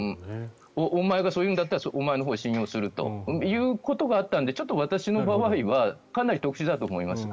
お前がそう言うんだったらお前のほうを信用するということがあったのでちょっと私の場合はかなり特殊だと思います。